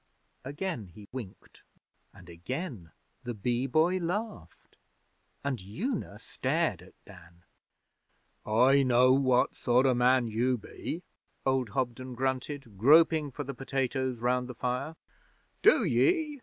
Again he winked, and again the Bee Boy laughed and Una stared at Dan. 'I know what sort o' man you be,' old Hobden grunted, groping for the potatoes round the fire. 'Do ye?'